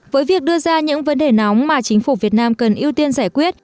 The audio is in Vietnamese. với việc đưa ra những vấn đề nóng mà chính phủ việt nam cần ưu tiên giải quyết